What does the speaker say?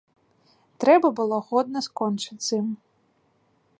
Трэба было годна скончыць з ім.